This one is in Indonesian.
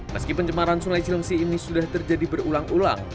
meski pencemaran sungai cilengsi ini sudah terjadi berulang ulang